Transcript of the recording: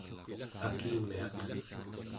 akimiaq